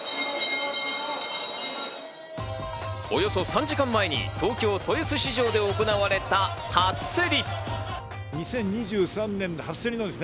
およそ３時間前に東京・豊洲市場で行われた初競り。